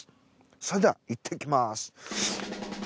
それではいってきます。